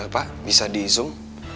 pak bisa di zoom